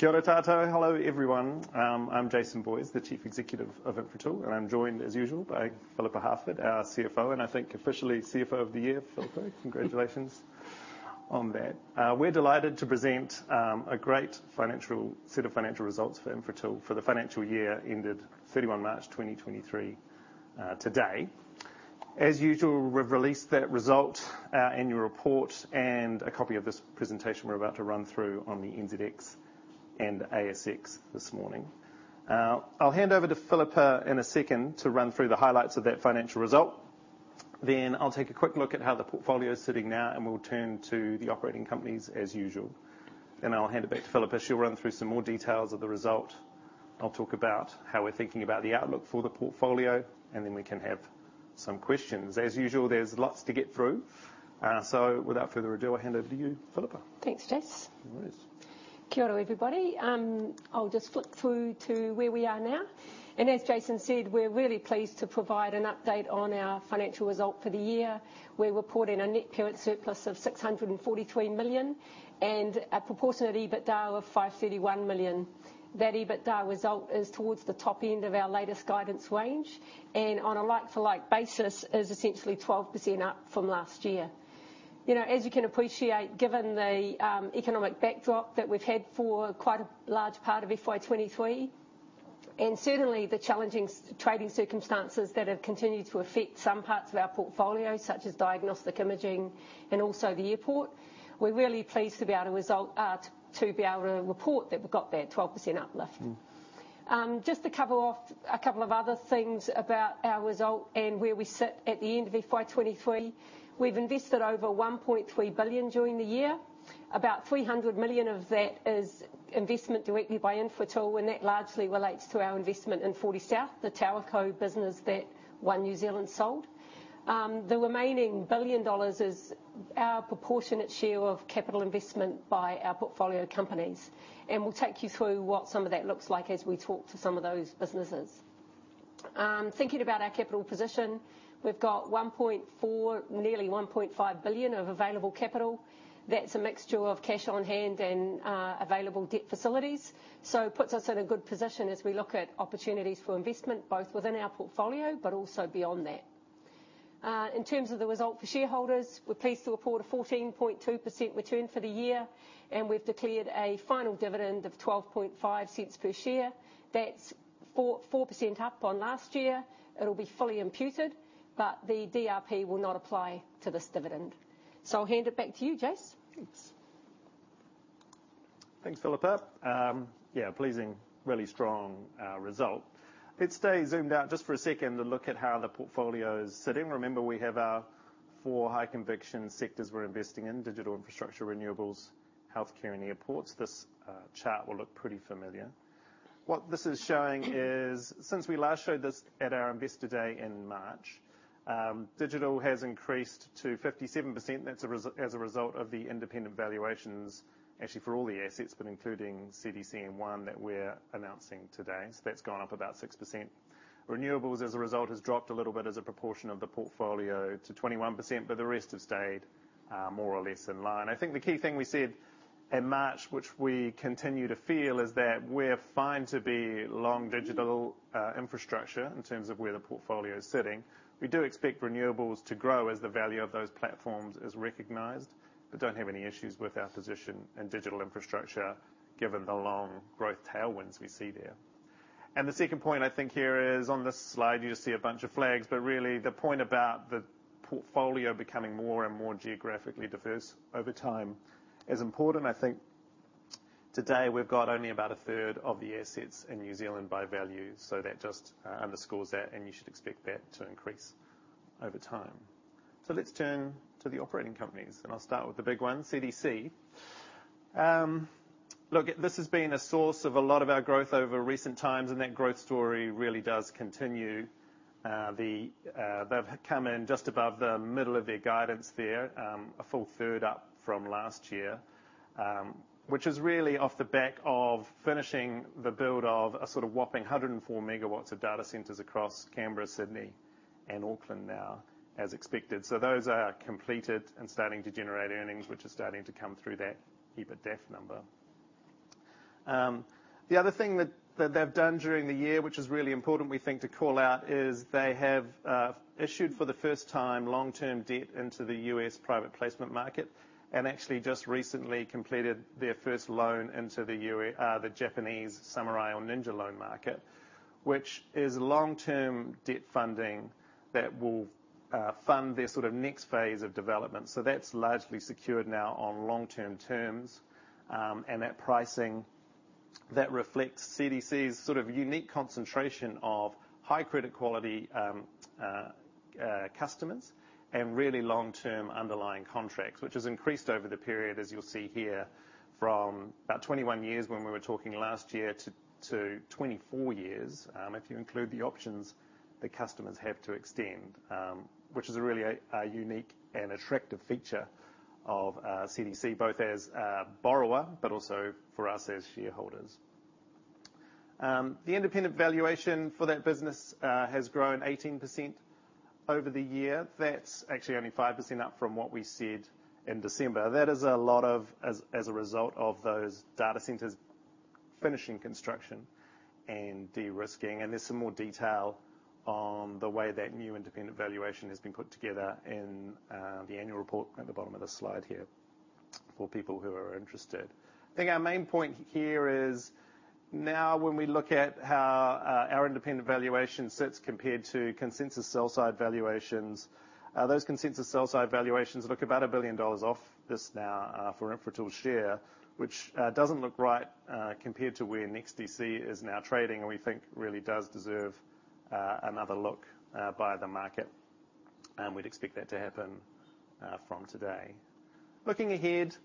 Hello, everyone. I'm Jason Boyes, the chief executive of Infratil, and I'm joined, as usual, by Phillippa Harford, our CFO. I think officially CFO of the Year, Phillippa, congratulations on that. We're delighted to present a great financial set of financial results for Infratil for the financial year ended March 31, 2023, today. As usual, we've released that result in your report and a copy of this presentation we're about to run through on the NZX and ASX this morning. I'll hand over to Phillippa in a second to run through the highlights of that financial result. I'll take a quick look at how the portfolio is sitting now. We'll turn to the operating companies as usual. I'll hand it back to Phillippa. She'll run through some more details of the result. I'll talk about how we're thinking about the outlook for the portfolio, and then we can have some questions. As usual, there's lots to get through. Without further ado, I'll hand over to you, Phillippa. Thanks, Jas. No worries. everybody. I'll just flick through to where we are now. As Jason said, we're really pleased to provide an update on our financial result for the year. We're reporting a net current surplus of 643 million and a proportionate EBITDA of 531 million. That EBITDA result is towards the top end of our latest guidance range. On a like-for-like basis is essentially 12% up from last year. You know, as you can appreciate, given the economic backdrop that we've had for quite a large part of FY23, certainly the challenging trading circumstances that have continued to affect some parts of our portfolio, such as diagnostic imaging and also the airport, we're really pleased to be able to report that we've got that 12% uplift. Mm. Just to cover off a couple of other things about our result and where we sit at the end of FY23. We've invested over 1.3 billion during the year. About 300 million of that is investment directly by Infratil. That largely relates to our investment in FortySouth, the TowerCo business that One New Zealand sold. The remaining 1 billion dollars is our proportionate share of capital investment by our portfolio companies. We'll take you through what some of that looks like as we talk to some of those businesses. Thinking about our capital position, we've got 1.4 billion, nearly 1.5 billion of available capital. That's a mixture of cash on hand and available debt facilities. It puts us in a good position as we look at opportunities for investment, both within our portfolio but also beyond that. In terms of the result for shareholders, we're pleased to report a 14.2% return for the year, and we've declared a final dividend of 0.125 per share. That's 4% up on last year. It'll be fully imputed, but the DRP will not apply to this dividend. I'll hand it back to you, Jas. Thanks. Thanks, Phillippa. Yeah, pleasing, really strong result. Let's stay zoomed out just for a second and look at how the portfolio is sitting. Remember, we have our four high conviction sectors we're investing in: digital infrastructure, renewables, healthcare, and airports. This chart will look pretty familiar. What this is showing is since we last showed this at our investor day in March, digital has increased to 57%. That's as a result of the independent valuations, actually for all the assets, but including CDC and One that we're announcing today. That's gone up about 6%. Renewables as a result, has dropped a little bit as a proportion of the portfolio to 21%, but the rest have stayed more or less in line. I think the key thing we said in March, which we continue to feel, is that we're fine to be long digital infrastructure in terms of where the portfolio is sitting. We do expect renewables to grow as the value of those platforms is recognized, but don't have any issues with our position in digital infrastructure given the long growth tailwinds we see there. The second point I think here is on this slide, you just see a bunch of flags, but really the point about the portfolio becoming more and more geographically diverse over time is important. I think today we've got only about a third of the assets in New Zealand by value. That just underscores that, and you should expect that to increase over time. Let's turn to the operating companies, and I'll start with the big one, CDC. Look, this has been a source of a lot of our growth over recent times. That growth story really does continue. They've come in just above the middle of their guidance there, a full third up from last year, which is really off the back of finishing the build of a sort of whopping 104 MWs of data centers across Canberra, Sydney and Auckland now as expected. Those are completed and starting to generate earnings, which are starting to come through that EBITDA number. The other thing that they've done during the year, which is really important, we think to call out, is they have issued for the first time long-term debt into the U.S. private placement market and actually just recently completed their first loan into the Japanese samurai or ninja loan market, which is long-term debt funding that will fund their sort of next phase of development. That's largely secured now on long-term terms. That pricing that reflects CDC's sort of unique concentration of high credit quality customers and really long-term underlying contracts, which has increased over the period as you'll see here, from about 21 years when we were talking last year to 24 years, if you include the options that customers have to extend. Which is a really a unique and attractive feature of CDC, both as a borrower but also for us as shareholders. The independent valuation for that business has grown 18% over the year. That's actually only 5% up from what we said in December. That is a lot of as a result of those data centers finishing construction and de-risking. There's some more detail on the way that new independent valuation has been put together in the annual report at the bottom of the slide here for people who are interested. I think our main point here is now when we look at how our independent valuation sits compared to consensus sell side valuations, those consensus sell side valuations look about 1 billion dollars off this now for Infratil's share, which doesn't look right compared to where NEXTDC is now trading, and we think really does deserve another look by the market, and we'd expect that to happen from today. Looking ahead,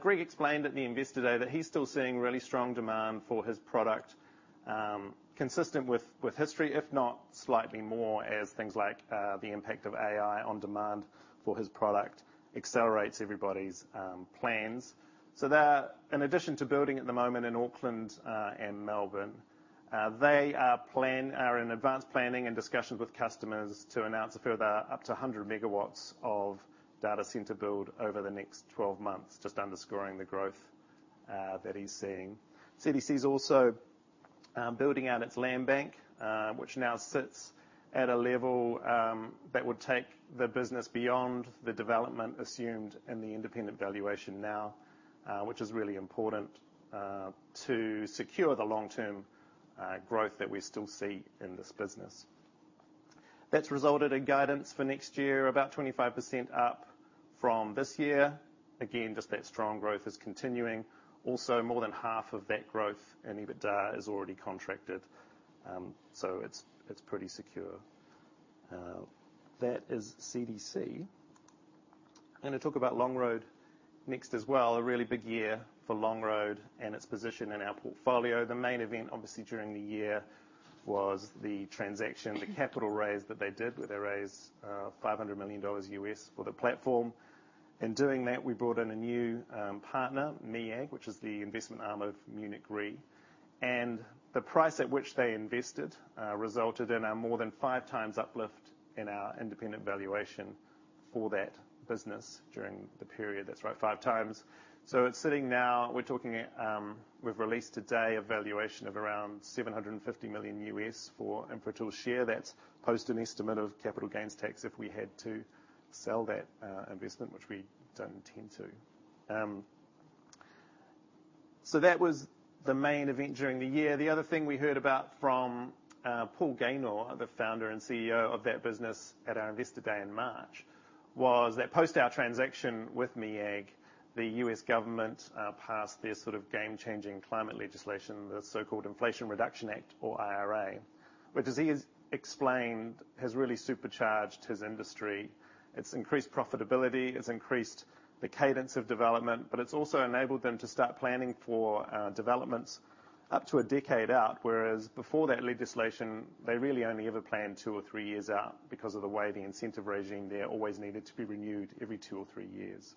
Greg explained at the Investor Day that he's still seeing really strong demand for his product, consistent with history, if not slightly more as things like the impact of AI on demand for his product accelerates everybody's plans. There, in addition to building at the moment in Auckland and Melbourne, they are in advanced planning and discussions with customers to announce a further up to 100 MWs of data center build over the next 12 months, just underscoring the growth that he's seeing. CDC is also building out its land bank, which now sits at a level that would take the business beyond the development assumed in the independent valuation now, which is really important to secure the long-term growth that we still see in this business. That's resulted in guidance for next year, about 25% up from this year. Again, just that strong growth is continuing. Also, more than half of that growth and EBITDA is already contracted. It's pretty secure. That is CDC. I'm gonna talk about Longroad next as well, a really big year for Longroad and its position in our portfolio. The main event, obviously, during the year was the transaction, the capital raise that they did, where they raised $500 million for the platform. In doing that, we brought in a new partner, MEAG, which is the investment arm of Munich Re. The price at which they invested resulted in a more than 5x uplift in our independent valuation for that business during the period. That's right, 5x. It's sitting now, we're talking, we've released today a valuation of around $750 million for Infratil share. That's post an estimate of capital gains tax if we had to sell that investment, which we don't intend to. That was the main event during the year. The other thing we heard about from Paul Gaynor, the founder and CEO of that business at our Investor Day in March, was that post our transaction with MEAG, the U.S government passed this sort of game-changing climate legislation, the so-called Inflation Reduction Act, or IRA, which as he has explained, has really supercharged his industry. It's increased profitability, it's increased the cadence of development, but it's also enabled them to start planning for developments up to a decade out. Whereas before that legislation, they really only ever planned two or three years out because of the way the incentive regime there always needed to be renewed every two or three years.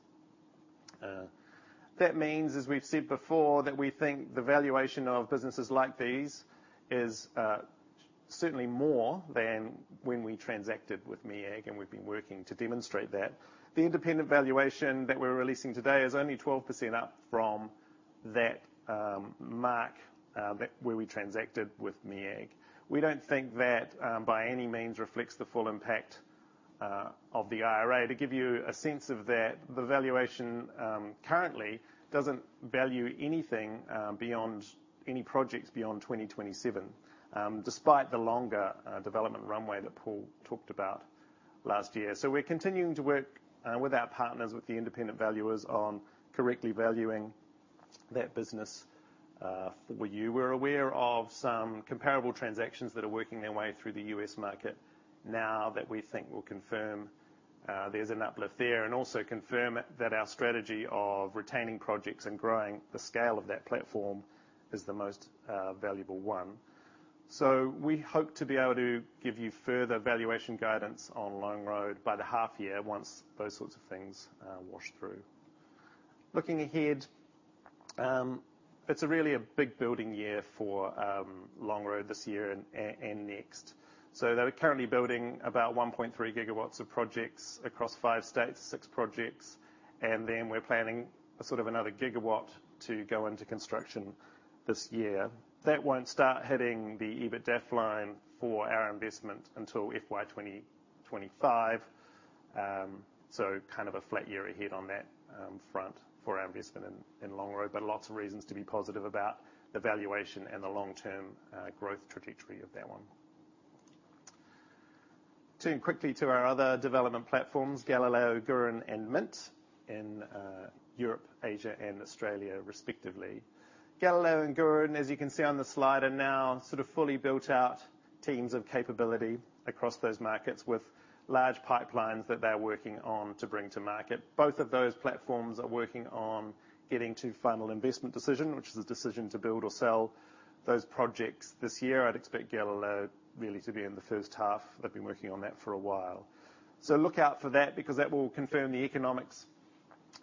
That means, as we've said before, that we think the valuation of businesses like these is certainly more than when we transacted with MEAG. We've been working to demonstrate that. The independent valuation that we're releasing today is only 12% up from that mark where we transacted with MEAG. We don't think that by any means reflects the full impact of the IRA. To give you a sense of that, the valuation currently doesn't value anything beyond any projects beyond 2027, despite the longer development runway that Paul talked about last year. We're continuing to work with our partners, with the independent valuers on correctly valuing that business. We're aware of some comparable transactions that are working their way through the U.S. market now that we think will confirm there's an uplift there, and also confirm that our strategy of retaining projects and growing the scale of that platform is the most valuable one. We hope to be able to give you further valuation guidance on Longroad by the half year once those sorts of things wash through. Looking ahead, it's really a big building year for Longroad this year and next. They're currently building about 1.3 gigawatts of projects across five states, six projects, and then we're planning sort of another gigawatt to go into construction this year. That won't start hitting the EBITDAF line for our investment until FY 2025. Kind of a flat year ahead on that front for our investment in Longroad. Lots of reasons to be positive about the valuation and the long-term growth trajectory of that one. Turning quickly to our other development platforms, Galileo, Gurin, and Mint in Europe, Asia, and Australia, respectively. Galileo and Gurin, as you can see on the slide, are now sort of fully built out teams of capability across those markets with large pipelines that they're working on to bring to market. Both of those platforms are working on getting to final investment decision, which is a decision to build or sell those projects this year. I'd expect Galileo really to be in the first half. They've been working on that for a while. Look out for that because that will confirm the economics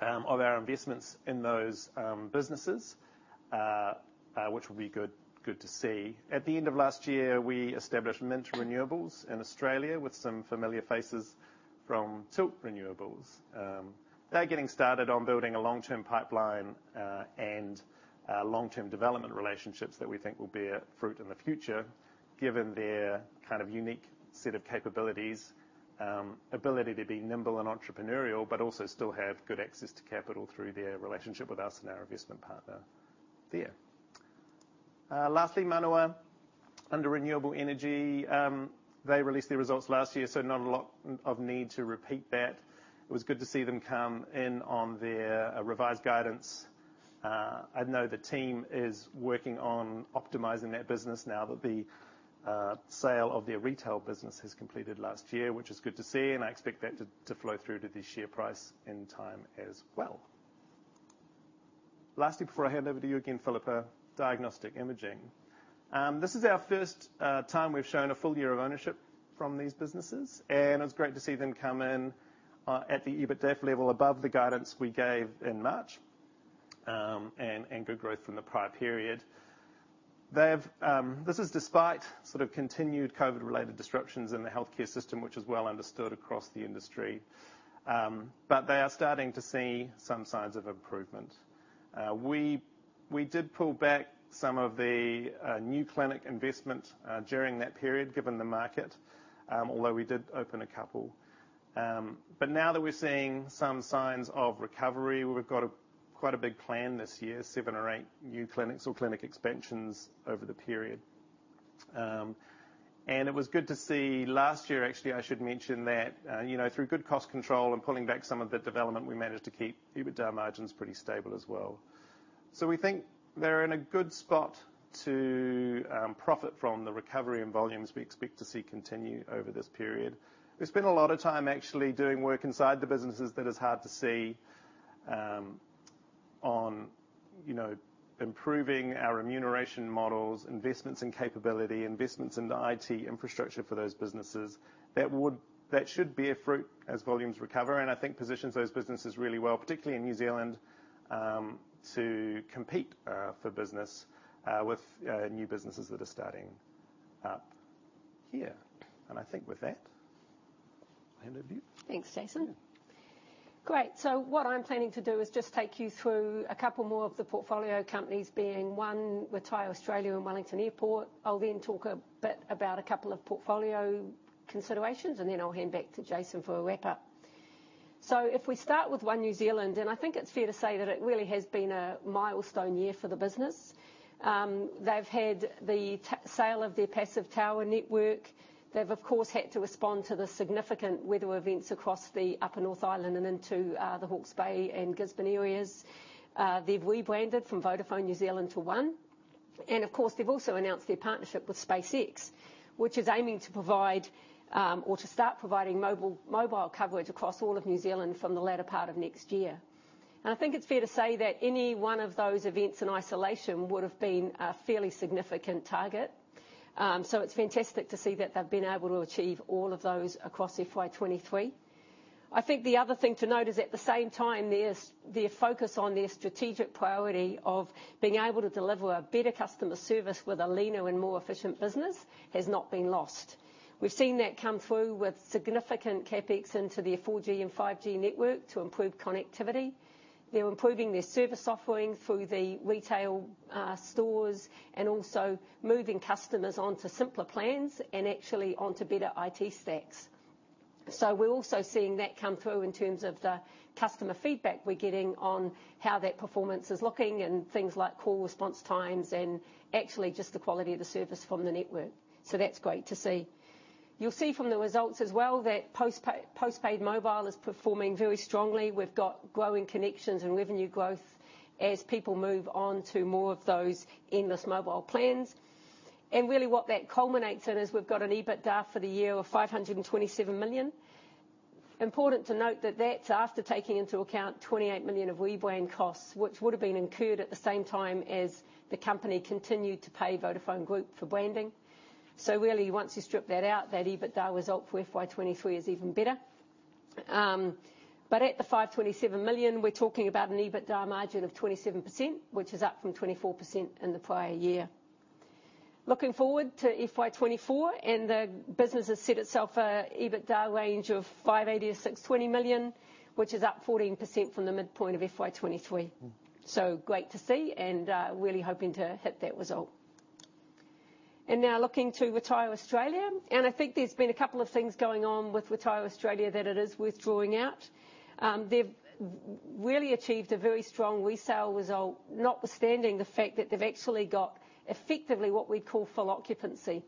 of our investments in those businesses, which will be good to see. At the end of last year, we established Mint Renewables in Australia with some familiar faces from Tilt Renewables. They're getting started on building a long-term pipeline and long-term development relationships that we think will bear fruit in the future, given their kind of unique set of capabilities, ability to be nimble and entrepreneurial, but also still have good access to capital through their relationship with us and our investment partner there. Lastly, Manawa. Under renewable energy, they released their results last year, not a lot of need to repeat that. It was good to see them come in on their revised guidance. I know the team is working on optimizing that business now that the sale of their retail business has completed last year, which is good to see, and I expect that to flow through to the share price in time as well. Lastly, before I hand over to you again, Phillippa, diagnostic imaging. This is our first time we've shown a full year of ownership from these businesses, and it's great to see them come in at the EBITDA level above the guidance we gave in March, and good growth from the prior period. They have. This is despite sort of continued COVID-related disruptions in the healthcare system, which is well understood across the industry. They are starting to see some signs of improvement. We did pull back some of the new clinic investment during that period, given the market, although we did open a couple. Now that we're seeing some signs of recovery, we've got a quite a big plan this year, seven or eight new clinics or clinic expansions over the period. It was good to see. Last year, actually, I should mention that, you know, through good cost control and pulling back some of the development, we managed to keep EBITDA margins pretty stable as well. We think they're in a good spot to profit from the recovery in volumes we expect to see continue over this period. We spent a lot of time actually doing work inside the businesses that is hard to see, on, you know, improving our remuneration models, investments and capability, investments into IT infrastructure for those businesses. That should bear fruit as volumes recover, and I think positions those businesses really well, particularly in New Zealand, to compete for business with new businesses that are starting up. Yeah. I think with that, I hand over to you. Thanks, Jason. Great. What I'm planning to do is just take you through a couple more of the portfolio companies, being One, RetireAustralia and Wellington Airport. I'll then talk a bit about a couple of portfolio considerations, and then I'll hand back to Jason for a wrap-up. If we start with One New Zealand, I think it's fair to say that it really has been a milestone year for the business. They've had the sale of their passive tower network. They've, of course, had to respond to the significant weather events across the upper North Island and into, the Hawke's Bay and Gisborne areas. They've rebranded from Vodafone New Zealand to One, of course, they've also announced their partnership with SpaceX, which is aiming to provide or to start providing mobile coverage across all of New Zealand from the latter part of next year. I think it's fair to say that any one of those events in isolation would have been a fairly significant target. It's fantastic to see that they've been able to achieve all of those across FY 2023. I think the other thing to note is, at the same time, their focus on their strategic priority of being able to deliver a better customer service with a leaner and more efficient business has not been lost. We've seen that come through with significant CapEx into their 4G and 5G network to improve connectivity. They're improving their service offering through the retail stores and also moving customers onto simpler plans and actually onto better IT stacks. We're also seeing that come through in terms of the customer feedback we're getting on how that performance is looking and things like call response times and actually just the quality of the service from the network. That's great to see. You'll see from the results as well that postpaid mobile is performing very strongly. We've got growing connections and revenue growth as people move on to more of those end less mobile plans. Really what that culminates in is we've got an EBITDA for the year of 527 million. Important to note that that's after taking into account 28 million of rebrand costs, which would have been incurred at the same time as the company continued to pay Vodafone Group for branding. Really, once you strip that out, that EBITDA result for FY23 is even better. At the 527 million, we're talking about an EBITDA margin of 27%, which is up from 24% in the prior year. Looking forward to FY24, the business has set itself a EBITDA range of 580 million-620 million, which is up 14% from the midpoint of FY23. Mm. Great to see and really hoping to hit that result. Now looking to RetireAustralia, I think there's been a couple of things going on with RetireAustralia that it is worth drawing out. They've really achieved a very strong resale result, notwithstanding the fact that they've actually got effectively what we'd call full occupancy.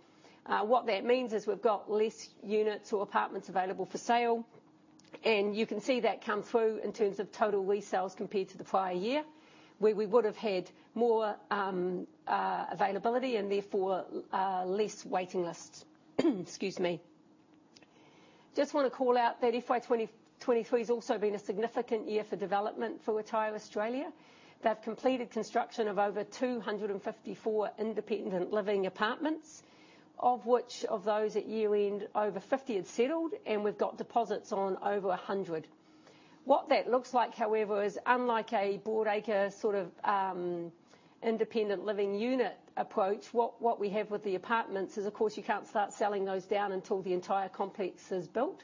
What that means is we've got less units or apartments available for sale, and you can see that come through in terms of total resales compared to the prior year, where we would have had more availability and therefore less waiting lists. Excuse me. Just wanna call out that FY 2023 has also been a significant year for development for RetireAustralia. They've completed construction of over 254 independent living apartments. Of which of those at year-end over 50 have settled, and we've got deposits on over 100. What that looks like, however, is unlike a Broadacre sort of independent living unit approach. What we have with the apartments is, of course, you can't start selling those down until the entire complex is built.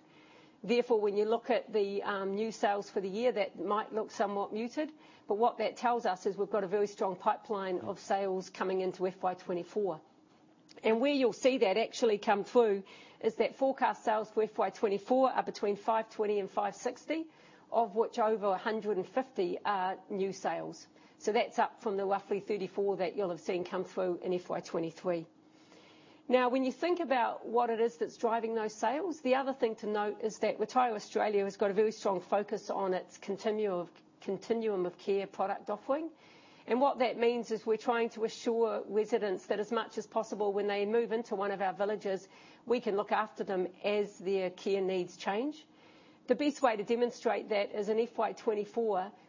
Therefore, when you look at the new sales for the year, that might look somewhat muted. What that tells us is we've got a very strong pipeline of sales coming into FY24. Where you'll see that actually come through is that forecast sales for FY24 are between 520 and 560, of which over 150 are new sales. That's up from the roughly 34 that you'll have seen come through in FY23. When you think about what it is that's driving those sales, the other thing to note is that RetireAustralia has got a very strong focus on its continuum of care product offering. What that means is we're trying to assure residents that as much as possible when they move into one of our villages, we can look after them as their care needs change. The best way to demonstrate that is in FY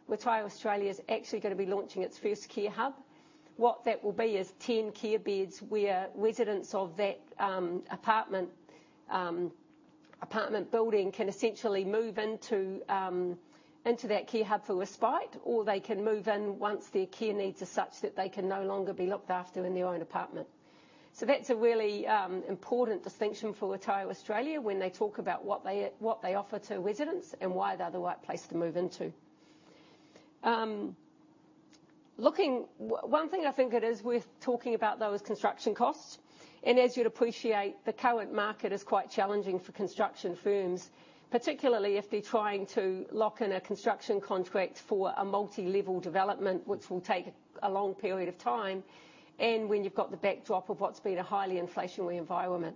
2024, RetireAustralia is actually gonna be launching its first care hub. What that will be is 10 care beds where residents of that apartment building can essentially move into that care hub for respite, or they can move in once their care needs are such that they can no longer be looked after in their own apartment. That's a really important distinction for RetireAustralia when they talk about what they offer to residents and why they're the right place to move into. One thing I think it is worth talking about, though, is construction costs. As you'd appreciate, the current market is quite challenging for construction firms, particularly if they're trying to lock in a construction contract for a multilevel development, which will take a long period of time, and when you've got the backdrop of what's been a highly inflationary environment.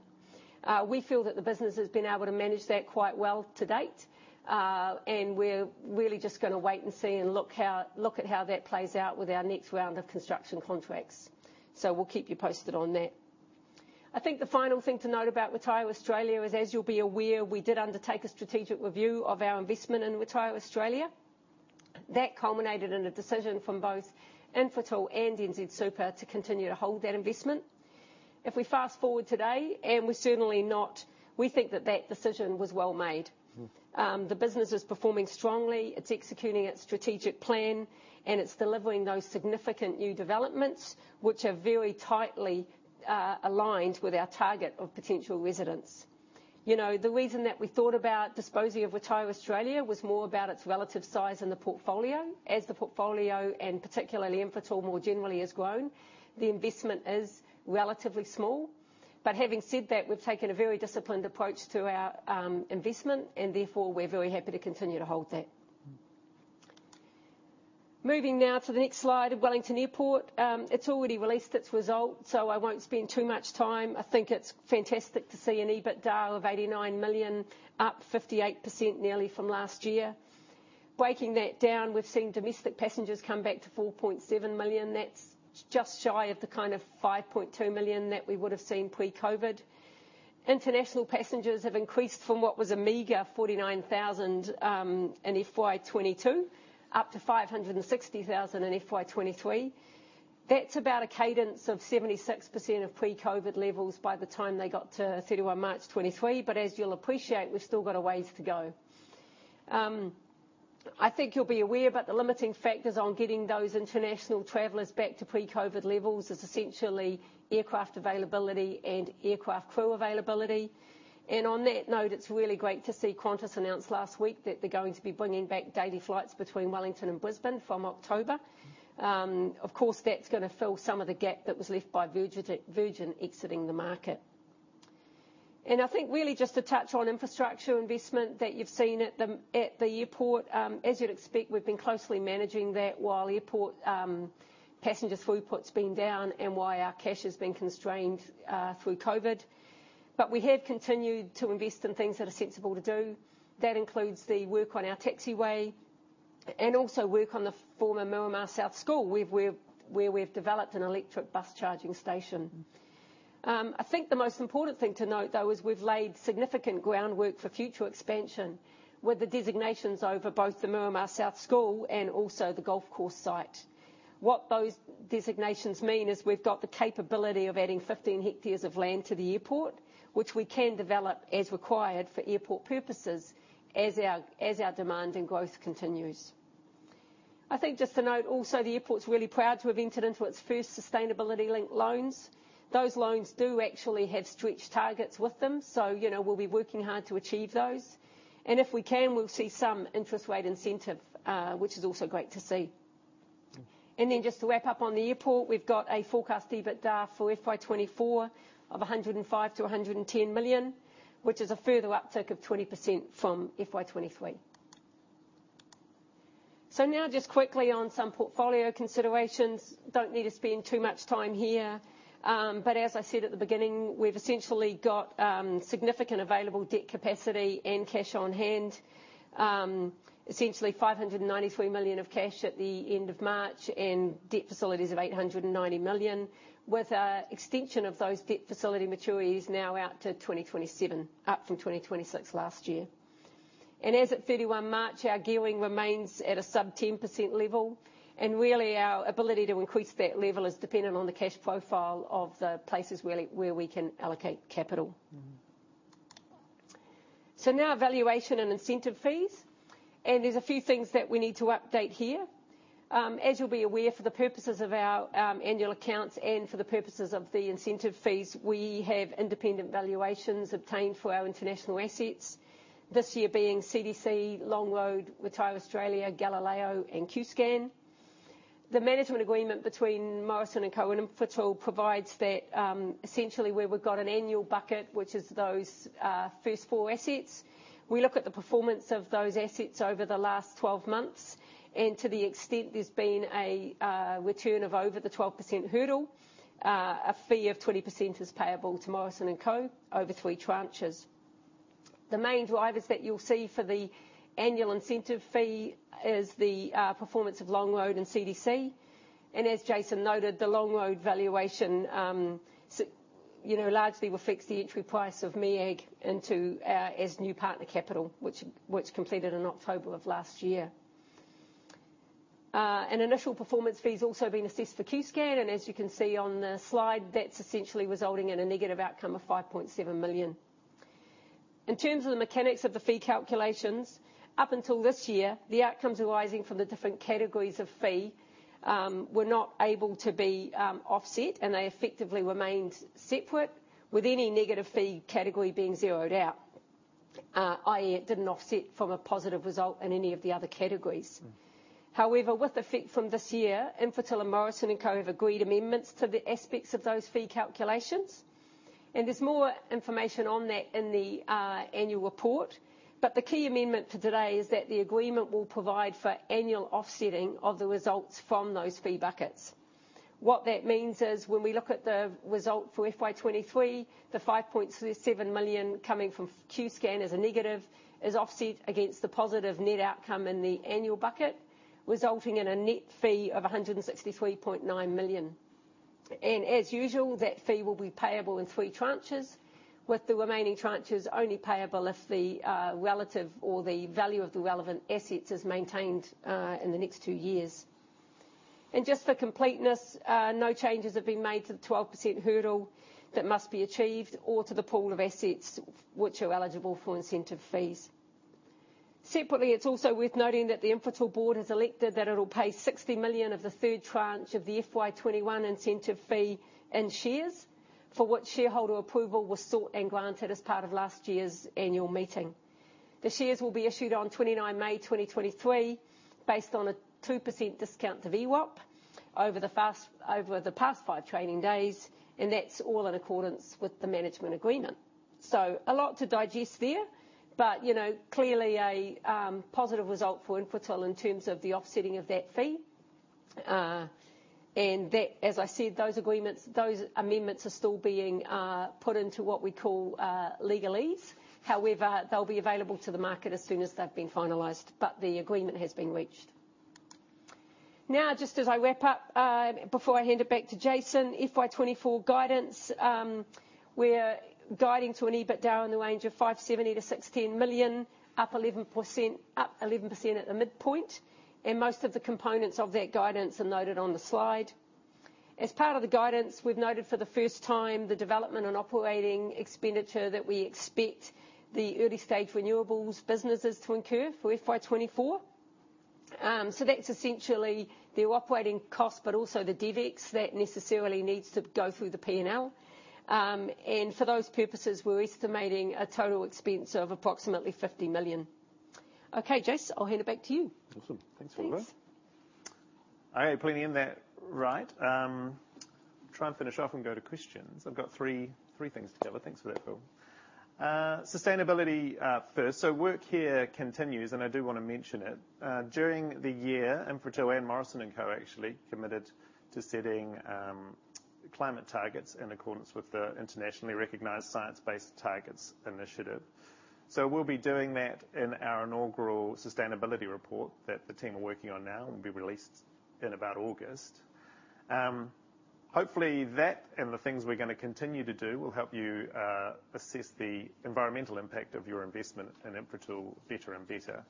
We feel that the business has been able to manage that quite well to date. We're really just gonna wait and see and look how that plays out with our next round of construction contracts. We'll keep you posted on that. I think the final thing to note about RetireAustralia is, as you'll be aware, we did undertake a strategic review of our investment in RetireAustralia. That culminated in a decision from both Infratil and NZ Super to continue to hold that investment. If we fast-forward today, and we're certainly not, we think that that decision was well made. The business is performing strongly, it's executing its strategic plan, and it's delivering those significant new developments, which are very tightly aligned with our target of potential residents. You know, the reason that we thought about disposing of RetireAustralia was more about its relative size in the portfolio. As the portfolio, and particularly Infratil more generally, has grown, the investment is relatively small. Having said that, we've taken a very disciplined approach to our investment, and therefore we're very happy to continue to hold that. Moving now to the next slide of Wellington Airport. It's already released its result, I won't spend too much time. I think it's fantastic to see an EBITDA of 89 million, up 58% nearly from last year. Breaking that down, we've seen domestic passengers come back to 4.7 million. That's just shy of the kind of 5.2 million that we would have seen pre-COVID. International passengers have increased from what was a meager 49,000 in FY22, up to 560,000 in FY23. That's about a cadence of 76% of pre-COVID levels by the time they got to 31 March 2023. As you'll appreciate, we've still got a ways to go. I think you'll be aware, but the limiting factors on getting those international travelers back to pre-COVID levels is essentially aircraft availability and aircraft crew availability. On that note, it's really great to see Qantas announce last week that they're going to be bringing back daily flights between Wellington and Brisbane from October. Of course, that's gonna fill some of the gap that was left by Virgin exiting the market. I think really just to touch on infrastructure investment that you've seen at the airport. As you'd expect, we've been closely managing that while airport, passenger throughput's been down and why our cash has been constrained, through COVID. We have continued to invest in things that are sensible to do. That includes the work on our taxiway and also work on the former Miramar South School, where we've developed an electric bus charging station. I think the most important thing to note, though, is we've laid significant groundwork for future expansion with the designations over both the Miramar South School and also the golf course site. What those designations mean is we've got the capability of adding 15 hectares of land to the airport, which we can develop as required for airport purposes as our demand and growth continues. I think just to note also, the airport's really proud to have entered into its first sustainability-linked loans. Those loans do actually have stretch targets with them, so, you know, we'll be working hard to achieve those. If we can, we'll see some interest rate incentive, which is also great to see. Just to wrap up on the airport, we've got a forecast EBITDA for FY 2024 of 105 million-110 million, which is a further uptick of 20% from FY 2023. Just quickly on some portfolio considerations. Don't need to spend too much time here. But as I said at the beginning, we've essentially got significant available debt capacity and cash on hand. Essentially 593 million of cash at the end of March and debt facilities of 890 million, with extension of those debt facility maturities now out to 2027, up from 2026 last year. As at 31 March, our gearing remains at a sub 10% level. Really our ability to increase that level is dependent on the cash profile of the places really where we can allocate capital. Now valuation and incentive fees. There's a few things that we need to update here. As you'll be aware, for the purposes of our annual accounts and for the purposes of the incentive fees, we have independent valuations obtained for our international assets. This year being CDC, Longroad, Ventia Australia, Galileo and Qscan. The management agreement between Morrison & Co and Infratil provides that, essentially, where we've got an annual bucket, which is those first four assets. We look at the performance of those assets over the last 12 months. To the extent there's been a return of over the 12% hurdle, a fee of 20% is payable to Morrison & Co over three tranches. The main drivers that you'll see for the annual incentive fee is the performance of Longroad and CDC. As Jason noted, the Longroad valuation, you know, largely will fix the entry price of MEAG into our as new partner capital, which completed in October of last year. An initial performance fee has also been assessed for QScan, and as you can see on the slide, that's essentially resulting in a negative outcome of $5.7 million. In terms of the mechanics of the fee calculations, up until this year, the outcomes arising from the different categories of fee were not able to be offset, and they effectively remained separate with any negative fee category being zeroed out. I.e., it didn't offset from a positive result in any of the other categories. However, with effect from this year, Infratil and Morrison & Co have agreed amendments to the aspects of those fee calculations. There's more information on that in the annual report. The key amendment for today is that the agreement will provide for annual offsetting of the results from those fee buckets. What that means is when we look at the result for FY23, the 5.37 million coming from QScan as a negative is offset against the positive net outcome in the annual bucket, resulting in a net fee of 163.9 million. As usual, that fee will be payable in three tranches, with the remaining tranches only payable if the relative or the value of the relevant assets is maintained in the next two years. Just for completeness, no changes have been made to the 12% hurdle that must be achieved or to the pool of assets which are eligible for incentive fees. Separately, it's also worth noting that the Infratil board has elected that it'll pay 60 million of the third tranche of the FY 21 incentive fee in shares for which shareholder approval was sought and granted as part of last year's annual meeting. The shares will be issued on 29 May 2023 based on a 2% discount to VWAP over the past five trading days, and that's all in accordance with the management agreement. A lot to digest there, but, you know, clearly a positive result for Infratil in terms of the offsetting of that fee. That, as I said, those agreements, those amendments are still being put into what we call legalese. They'll be available to the market as soon as they've been finalized, but the agreement has been reached. Just as I wrap up, before I hand it back to Jason, FY 2024 guidance, we're guiding to an EBITDA in the range of 570 million-610 million, up 11%, up 11% at the midpoint, and most of the components of that guidance are noted on the slide. As part of the guidance, we've noted for the first time the development and operating expenditure that we expect the early stage renewables businesses to incur for FY 2024. That's essentially the operating cost, but also the CapEx that necessarily needs to go through the P&L. For those purposes, we're estimating a total expense of approximately 50 million. Okay, Jason, I'll hand it back to you. Awesome. Thanks, Phil. Thanks. I am pulling in that right. Try and finish off and go to questions. I've got three things together. Thanks for that, Phil. Sustainability first. Work here continues, and I do wanna mention it. During the year, Infratil and Morrison & Co actually committed to setting climate targets in accordance with the internationally recognized Science Based Targets initiative. We'll be doing that in our inaugural sustainability report that the team are working on now and will be released in about August. Hopefully, that and the things we're gonna continue to do will help you assess the environmental impact of your investment in Infratil better and better.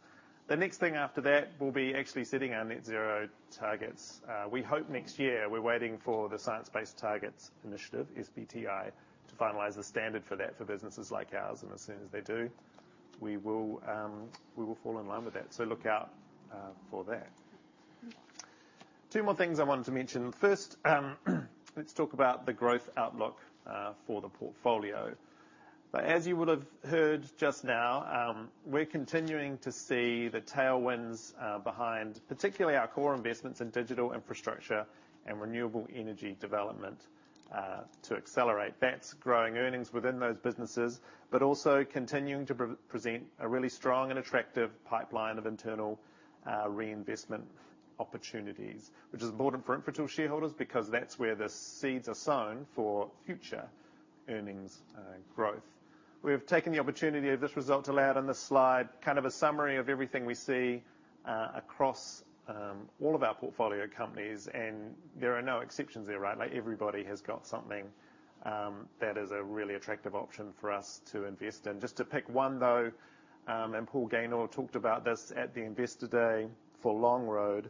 The next thing after that will be actually setting our net zero targets, we hope next year. We're waiting for the Science Based Targets initiative, SBTi, to finalize the standard for that for businesses like ours. As soon as they do, we will fall in line with that. Look out for that. Two more things I wanted to mention. First, let's talk about the growth outlook for the portfolio. As you would have heard just now, we're continuing to see the tailwinds behind, particularly our core investments in digital infrastructure and renewable energy development, to accelerate that's growing earnings within those businesses. Also continuing to present a really strong and attractive pipeline of internal reinvestment opportunities, which is important for Infratil shareholders because that's where the seeds are sown for future earnings growth. We have taken the opportunity of this result to lay out on this slide kind of a summary of everything we see across all of our portfolio companies. There are no exceptions there, right? Like, everybody has got something that is a really attractive option for us to invest in. Just to pick one though, Paul Gaynor talked about this at the Investor Day for Longroad.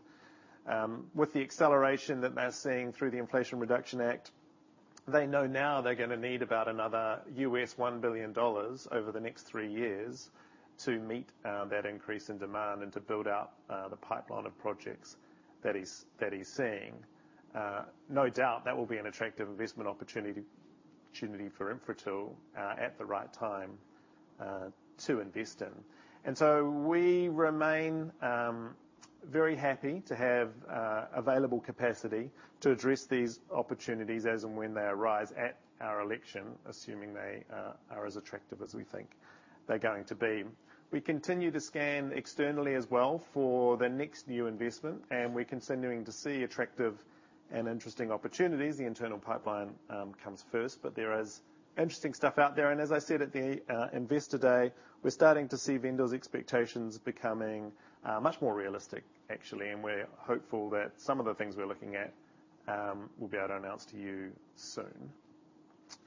With the acceleration that they're seeing through the Inflation Reduction Act, they know now they're gonna need about another $1 billion over the next three years to meet that increase in demand and to build out the pipeline of projects that he's seeing. No doubt that will be an attractive investment opportunity for Infratil at the right time to invest in. We remain very happy to have available capacity to address these opportunities as and when they arise at our election, assuming they are as attractive as we think they're going to be. We continue to scan externally as well for the next new investment, and we're continuing to see attractive and interesting opportunities. The internal pipeline comes first, but there is interesting stuff out there. As I said at the Investor Day, we're starting to see vendors' expectations becoming much more realistic, actually. We're hopeful that some of the things we're looking at, we'll be able to announce to you soon.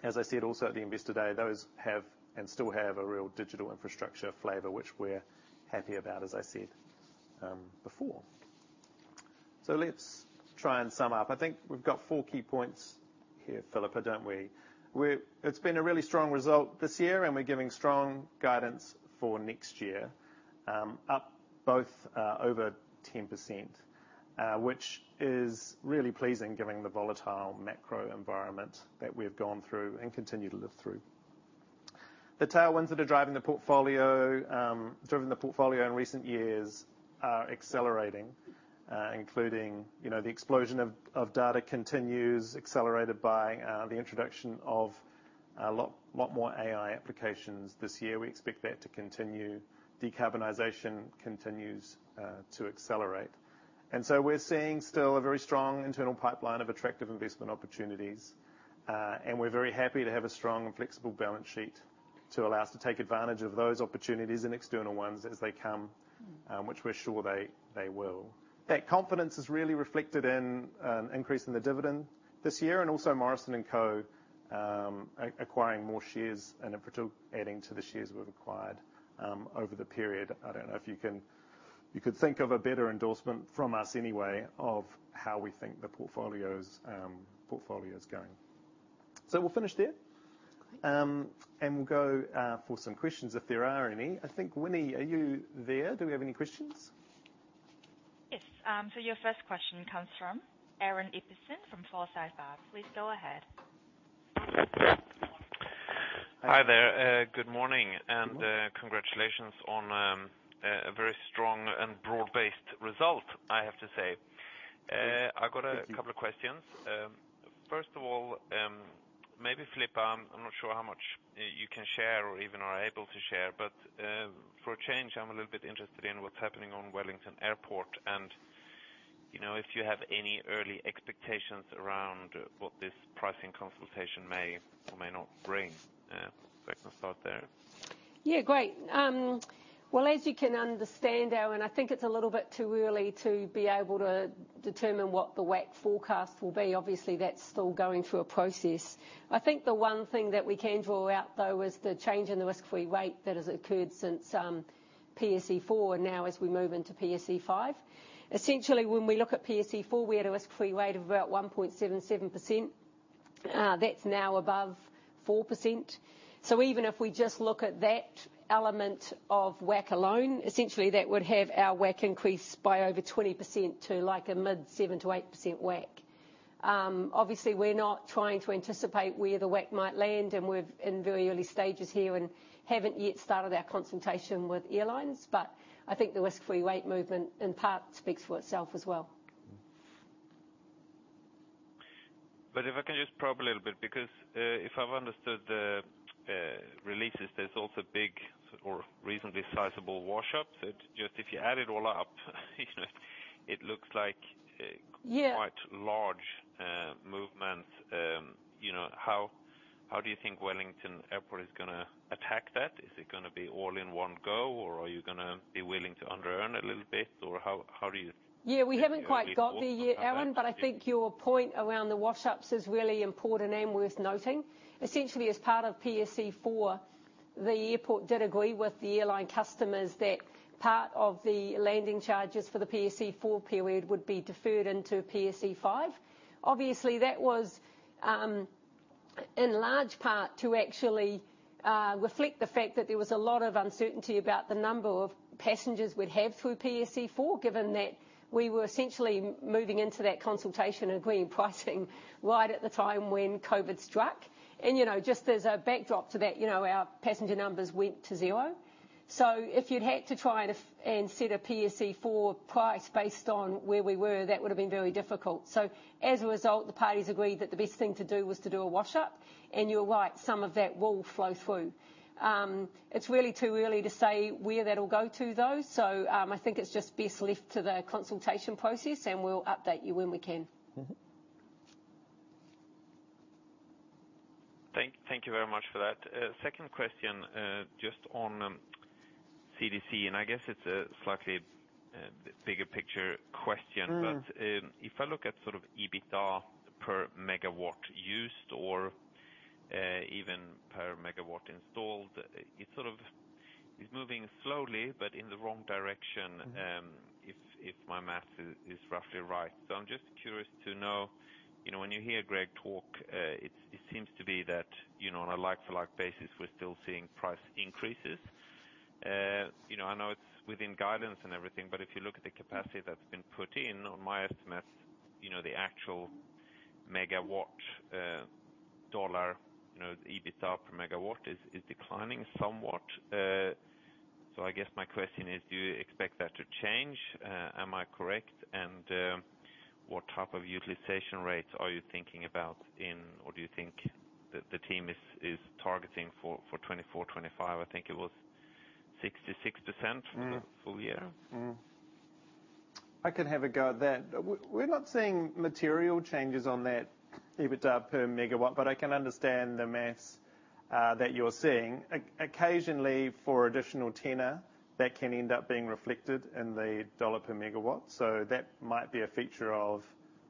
As I said, also at the Investor Day, those have and still have a real digital infrastructure flavor, which we're happy about, as I said, before. Let's try and sum up. I think we've got four key points here, Phillippa, don't we? It's been a really strong result this year, and we're giving strong guidance for next year, up both over 10%, which is really pleasing given the volatile macro-environment that we've gone through and continue to live through. The tailwinds that are driving the portfolio in recent years are accelerating, including, you know, the explosion of data continues, accelerated by the introduction of lot more AI applications this year. We expect that to continue. Decarbonization continues to accelerate. We're seeing still a very strong internal pipeline of attractive investment opportunities, and we're very happy to have a strong and flexible balance sheet to allow us to take advantage of those opportunities and external ones as they come, which we're sure they will. That confidence is really reflected in an increase in the dividend this year, and also Morrison & Co. acquiring more shares and in particular adding to the shares we've acquired over the period. I don't know if you could think of a better endorsement from us anyway of how we think the portfolio's going. We'll finish there. Great. We'll go for some questions, if there are any. I think, Winnie, are you there? Do we have any questions? Yes. Your first question comes from Aaron Ibbotson from Forsyth Barr. Please go ahead. Hi there. Good morning. Mm-hmm. Congratulations on a very strong and broad-based result, I have to say. Thank you. I've got a couple of questions. First of all, maybe Phillippa, I'm not sure how much you can share or even are able to share, for a change, I'm a little bit interested in what's happening on Wellington Airport and, you know, if you have any early expectations around what this pricing consultation may or may not bring. If I can start there. Great. Well, as you can understand, Aaron Ibbotson, I think it's a little bit too early to be able to determine what the WACC forecast will be. Obviously, that's still going through a process. I think the one thing that we can draw out, though, is the change in the risk-free rate that has occurred since PSE4 now as we move into PSE5. Essentially, when we look at PSE4, we had a risk-free rate of about 1.77%. That's now above 4%. Even if we just look at that element of WACC alone, essentially that would have our WACC increase by over 20% to, like, a mid 7%-8% WACC. Obviously we're not trying to anticipate where the WACC might land, and we're in very early stages here and haven't yet started our consultation with airlines. I think the risk-free rate movement, in part, speaks for itself as well. If I can just probe a little bit, because, if I've understood the releases, there's also big or reasonably sizable wash-up. Just if you add it all up, you know, it looks like. Yeah ...quite large movements. You know, how do you think Wellington Airport is gonna attack that? Is it gonna be all in one go, or are you gonna be willing to under earn a little bit? Or how do you- Yeah, we haven't quite got there yet, Aaron. I think your point around the wash-ups is really important and worth noting. Essentially, as part of PSE4, the airport did agree with the airline customers that part of the landing charges for the PSE4 period would be deferred into PSE5. Obviously, that was in large part to actually reflect the fact that there was a lot of uncertainty about the number of passengers we'd have through PSE4, given that we were essentially moving into that consultation, agreeing pricing right at the time when COVID struck. You know, just as a backdrop to that, you know, our passenger numbers went to zero. If you'd had to try and set a PSE4 price based on where we were, that would have been very difficult. As a result, the parties agreed that the best thing to do was to do a wash-up. You're right, some of that will flow through. It's really too early to say where that'll go to, though. I think it's just best left to the consultation process, and we'll update you when we can. Thank you very much for that. Second question, just on CDC, I guess it's a slightly bigger picture question. Mm. If I look at sort of EBITDA per megawatt used or even per megawatt installed, it sort of is moving slowly, but in the wrong direction. Mm-hmm. If my math is roughly right. I'm just curious to know, you know, when you hear Greg talk, it seems to be that, you know, on a like-for-like basis, we're still seeing price increases. You know, I know it's within guidance and everything, but if you look at the capacity that's been put in, on my estimate, you know, the actual megawatt, dollar, you know, the EBITDA per megawatt is declining somewhat. I guess my question is, do you expect that to change? Am I correct? What type of utilization rates are you thinking about or do you think that the team is targeting for 2024, 2025? I think it was 66%. Mm. for the full year. I could have a go at that. We're not seeing material changes on that EBITDA per megawatt, but I can understand the math that you're seeing. Occasionally, for additional tenor, that can end up being reflected in the dollar per megawatt. That might be a feature of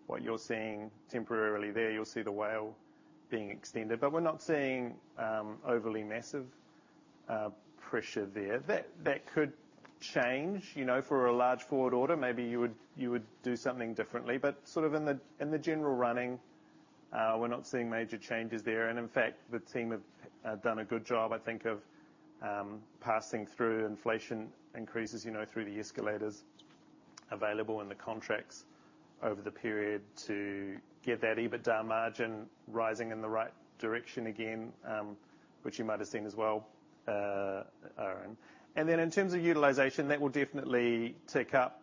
what you're seeing temporarily there. You'll see the whale being extended. We're not seeing overly massive pressure there. That could change, you know, for a large forward order. Maybe you would do something differently. Sort of in the general running, we're not seeing major changes there. In fact, the team have done a good job, I think of passing through inflation increases, you know, through the escalators available in the contracts over the period to get that EBITDA margin rising in the right direction again, which you might have seen as well, Oren. In terms of utilization, that will definitely tick up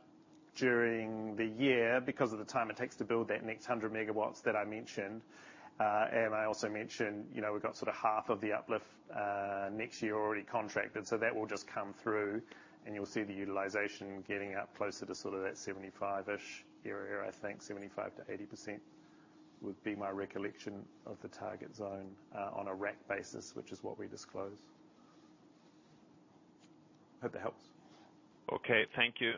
during the year because of the time it takes to build that next 100MWs that I mentioned. I also mentioned, you know, we've got sort of half of the uplift next year already contracted, so that will just come through, and you'll see the utilization getting up closer to sort of that 75-ish area, I think. 75%-80% would be my recollection of the target zone on a rack basis, which is what we disclose. Hope that helps. Okay. Thank you.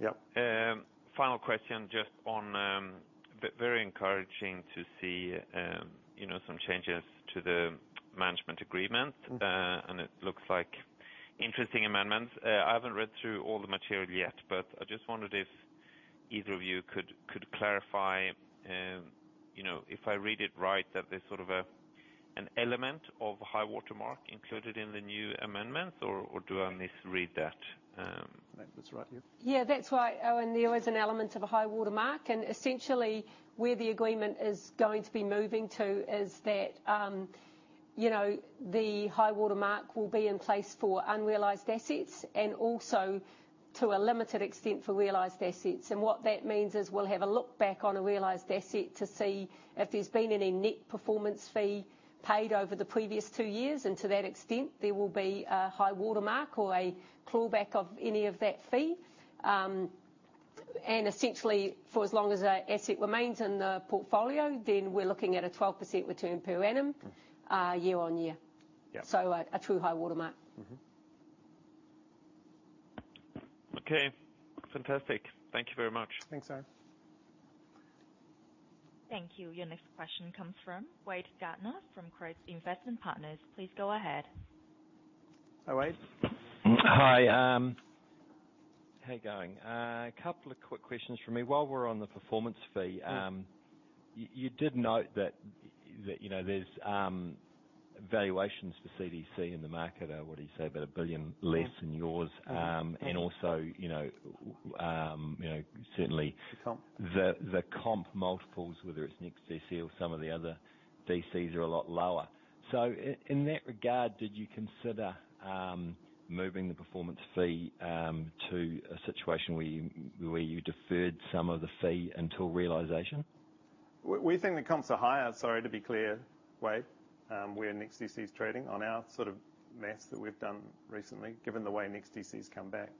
Yep. Final question, just on, very encouraging to see, you know, some changes to the management agreement. Mm. It looks like interesting amendments. I haven't read through all the material yet, but I just wondered if either of you could clarify, you know, if I read it right, that there's sort of an element of high-water mark included in the new amendments or do I misread that? Phil, that's right here. Yeah. That's right, Aaron. There is an element of a high-water mark. Essentially, where the agreement is going to be moving to is that, you know, the high-water mark will be in place for unrealized assets and also to a limited extent for realized assets. What that means is we'll have a look back on a realized asset to see if there's been any net performance fee paid over the previous two years. To that extent, there will be a high-water mark or a claw-back of any of that fee. Essentially, for as long as a asset remains in the portfolio, then we're looking at a 12% return per annum year-on-year. Yeah. A true high-water mark. Mm-hmm. Okay. Fantastic. Thank you very much. Thanks, Aaron. Thank you. Your next question comes from Wade Gardiner from Craigs Investment Partners. Please go ahead. Hi, Wade. Hi. How you going? A couple of quick questions from me. While we're on the performance fee. Mm. You did note that, you know, there's valuations for CDC in the market. What do you say about 1 billion less than yours? Mm. also, you know, you know. The comp ...the comp multiples, whether it's NEXTDC or some of the other DCs are a lot lower. In that regard, did you consider moving the performance fee to a situation where you deferred some of the fee until realization? We think the comps are higher. Sorry to be clear, Wade. Where NEXTDC is trading on our sort of math that we've done recently, given the way NEXTDC's come back.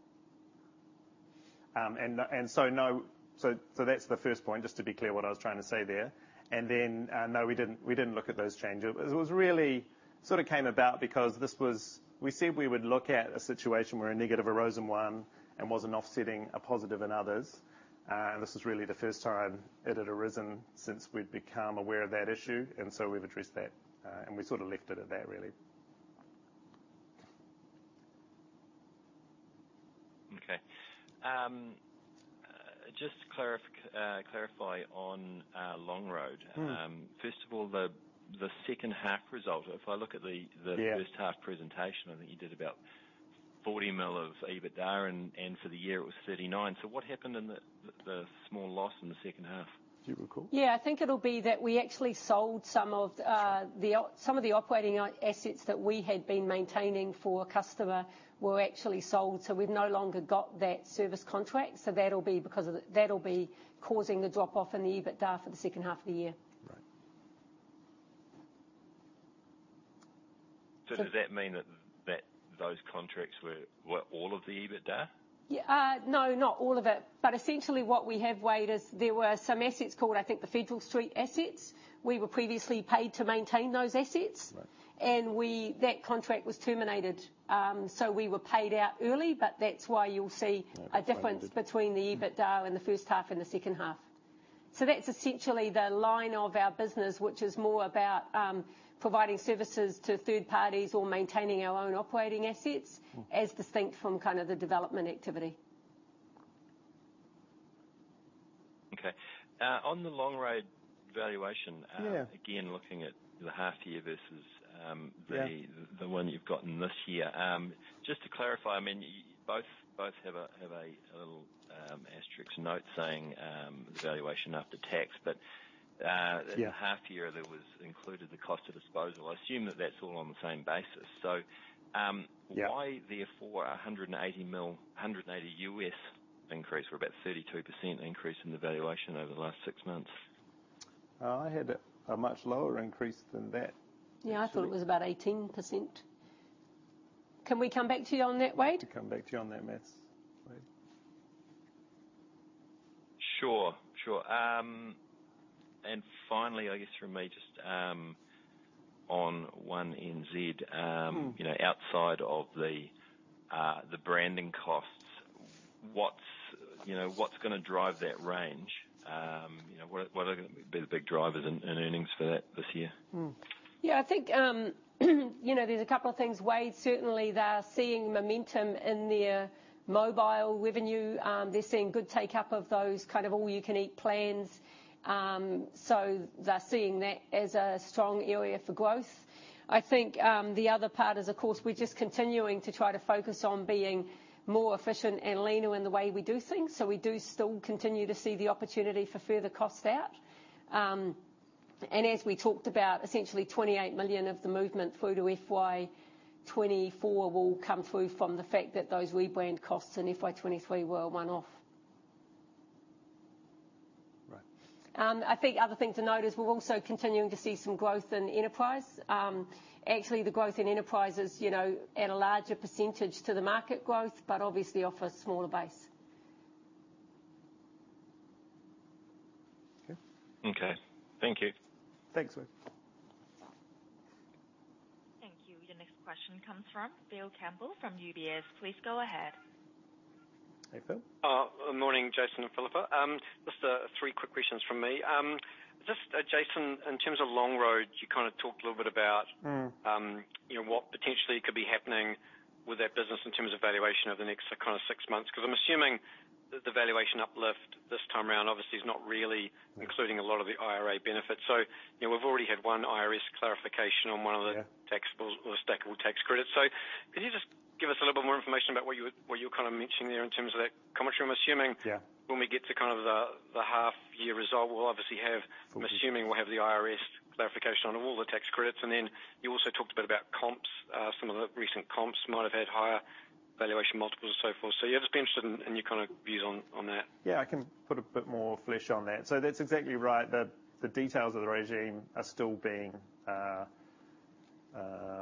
No. That's the first point, just to be clear what I was trying to say there. No, we didn't, we didn't look at those changes. It was really sort of came about because we said we would look at a situation where a negative arose in one and wasn't offsetting a positive in others. This is really the first time it had arisen since we'd become aware of that issue, and so we've addressed that. We sort of left it at that, really. Okay. just to clarify on, Longroad. Mm. First of all, the second half result, if I look at. Yeah the first half presentation, I think you did about 40 mil of EBITDA, and for the year it was 39. What happened in the small loss in the second half? Do you recall? Yeah. I think it'll be that we actually sold some of the operating assets that we had been maintaining for a customer were actually sold, so we've no longer got that service contract. That'll be causing the drop-off in the EBITDA for the second half of the year. Right. Does that mean that those contracts were all of the EBITDA? Yeah. No, not all of it. Essentially what we have weighed is there were some assets called, I think, the Fenchurch Street Assets. We were previously paid to maintain those assets. Right. That contract was terminated, so we were paid out early, but that's why you'll see. Right. A difference between the EBITDA in the first half and the second half. That's essentially the line of our business, which is more about providing services to third parties or maintaining our own operating assets, as distinct from kind of the development activity. Okay. on the Longroad valuation. Yeah. Again, looking at the half year versus. Yeah. the one you've gotten this year. Just to clarify, I mean, both have a little asterisk note saying, the valuation after tax. Yeah. the half year, there was included the cost of disposal. I assume that that's all on the same basis. Yeah. why therefore $180 US increase, or about 32% increase in the valuation over the last six months? I had a much lower increase than that. Yeah. I thought it was about 18%. Can we come back to you on that, Wade? We have to come back to you on that maths, Wade. Sure. Sure. Finally, I guess from me, just, on One NZ- Mm. You know, outside of the branding costs, what's, you know, what's gonna drive that range? You know, what are, what are gonna be the big drivers in earnings for that this year? Yeah, I think, you know, there's a couple of things. Wade, certainly, they're seeing momentum in their mobile revenue. They're seeing good take up of those kind of all you can eat plans. They're seeing that as a strong area for growth. I think, the other part is, of course, we're just continuing to try to focus on being more efficient and leaner in the way we do things. We do still continue to see the opportunity for further cost out. As we talked about, essentially 28 million of the movement through to FY 2024 will come through from the fact that those rebrand costs in FY 2023 were a one-off. Right. I think other thing to note is we're also continuing to see some growth in Enterprise. Actually, the growth in Enterprise is, you know, at a larger percentage to the market growth, obviously off a smaller base. Okay. Okay. Thank you. Thanks, Wade. Thank you. Your next question comes from Phil Campbell from UBS. Please go ahead. Hey, Phil. Morning, Jason and Phillippa. Just, three quick questions from me. Just, Jason, in terms of Longroad, you kinda talked a little bit. Mm. you know, what potentially could be happening with that business in terms of valuation over the next kinda six months. 'Cause I'm assuming the valuation uplift this time around obviously is not really including a lot of the IRA benefits. you know, we've already had one IRS clarification on one of the. Yeah. -taxable or stackable tax credits. Could you just give us a little bit more information about what you were kinda mentioning there in terms of that commentary? Yeah. When we get to kind of the half year result, we'll obviously have, I'm assuming we'll have the IRS clarification on all the tax credits. Then you also talked a bit about comps. Some of the recent comps might have had higher valuation multiples and so forth. Yeah, just be interested in your kinda views on that. Yeah, I can put a bit more flesh on that. That's exactly right. The details of the regime are still being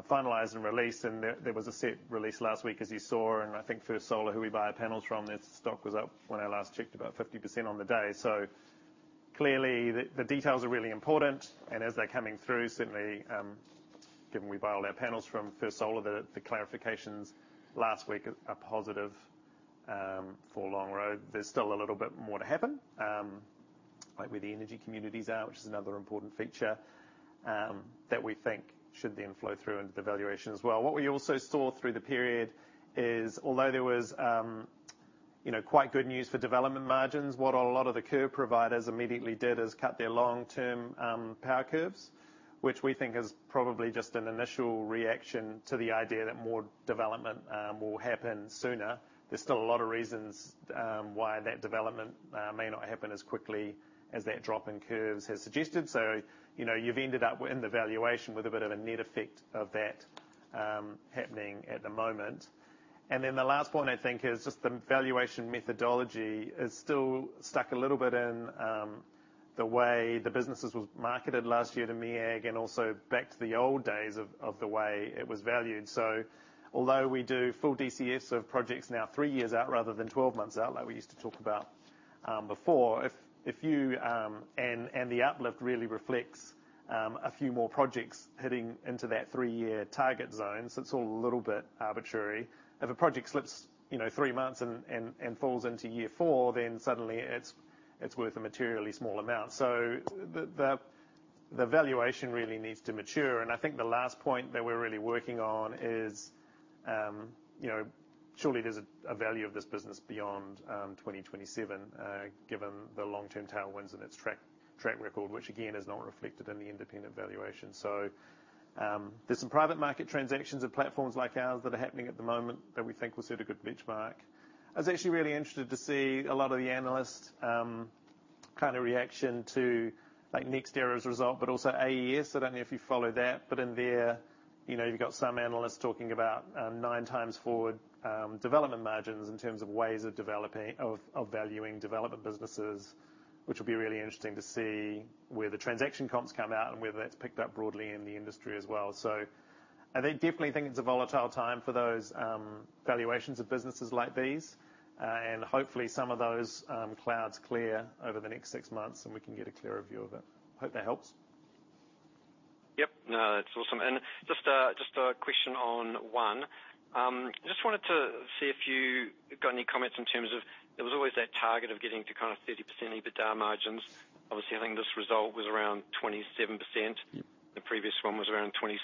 finalized and released, there was a set released last week, as you saw. I think First Solar, who we buy our panels from, their stock was up, when I last checked, about 50% on the day. Clearly the details are really important, and as they're coming through, certainly, given we buy all our panels from First Solar, the clarifications last week a positive for Longroad. There's still a little bit more to happen, like where the energy communities are, which is another important feature, that we think should then flow through into the valuation as well. What we also saw through the period is, although there was, you know, quite good news for development margins, what a lot of the curve providers immediately did is cut their long-term power curves, which we think is probably just an initial reaction to the idea that more development will happen sooner. There's still a lot of reasons why that development may not happen as quickly as that drop in curves has suggested. You know, you've ended up in the valuation with a bit of a net effect of that happening at the moment. The last point I think is just the valuation methodology is still stuck a little bit in the way the businesses was marketed last year to MEAG and also back to the old days of the way it was valued. Although we do full DCF of projects now three years out rather than 12 months out, like we used to talk about before. The uplift really reflects a few more projects heading into that three-year target zone. It's all a little bit arbitrary. If a project slips, you know, three months and falls into year four, then suddenly it's worth a materially small amount. The valuation really needs to mature. I think the last point that we're really working on is, you know, surely there's a value of this business beyond 2027, given the long-term tailwinds and its track record, which again is not reflected in the independent valuation. There's some private market transactions of platforms like ours that are happening at the moment that we think will set a good benchmark. I was actually really interested to see a lot of the analysts' kind of reaction to like NextEra's result, also AES. I don't know if you follow that, in there, you know, you've got some analysts talking about nine times forward development margins in terms of ways of developing, of valuing development businesses, which will be really interesting to see where the transaction comps come out and whether that's picked up broadly in the industry as well. I definitely think it's a volatile time for those valuations of businesses like these. Hopefully some of those clouds clear over the next six months, and we can get a clearer view of it. Hope that helps. Yep. No, that's awesome. Just a question on One. Just wanted to see if you got any comments in terms of, there was always that target of getting to kind of 30% EBITDA margins. Obviously, I think this result was around 27%. Yep. The previous one was around 26%.